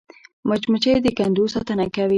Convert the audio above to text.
مچمچۍ د کندو ساتنه کوي